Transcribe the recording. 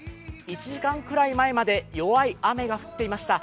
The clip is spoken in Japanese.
１時間くらい前まで弱い雨が降っていました。